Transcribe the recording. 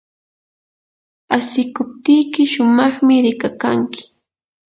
asikuptiyki shumaqmi rikakanki.